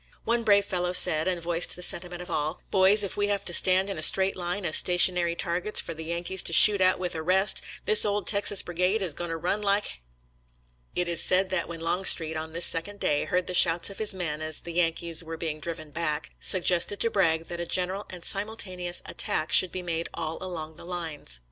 One brave fellow said, and voiced the sentiment of all, " Boys, if we have to stand in a straight line as stationary targets for the Yan kees to shoot at with a rest, this old Texas Bri gade is going to run like h — ^U !" It is said that when Longstreet, on this sec ond day, heard the shouts of his men as the Yankees were being driven back, suggested to Bragg that a general and simultaneous attack should be made all along the lines.